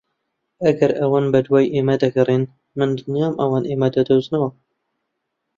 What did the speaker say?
ئەگەر ئەوان بەدوای ئێمە دەگەڕێن، من دڵنیام ئەوان ئێمە دەدۆزنەوە.